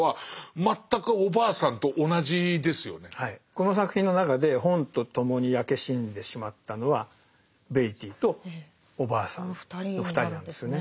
この作品の中で本と共に焼け死んでしまったのはベイティーとおばあさんの２人なんですよね。